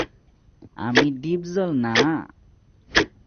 আমি ডিপজল না।